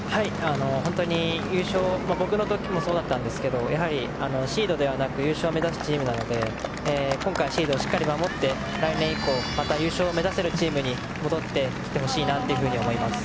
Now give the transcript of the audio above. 本当に僕の時もそうだったんですがやはり、シードではなく優勝を目指すチームなので今回、シードをしっかり守って来年以降また優勝を目指せるチームに戻ってきてほしいなと思います。